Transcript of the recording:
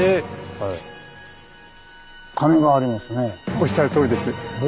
おっしゃるとおりです。